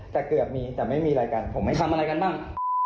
แต่เกือบมีแต่ไม่มีอะไรกันผมไม่ทำอะไรกันบ้าง